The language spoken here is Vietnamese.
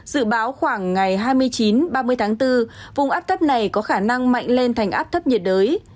dự báo khoảng ngày hai mươi chín ba mươi tháng bốn vùng áp thấp này có khả năng mạnh lên thành áp thấp nhiệt đới